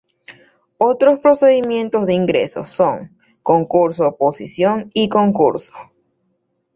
Otros procedimientos de ingreso son: concurso-oposición y concurso.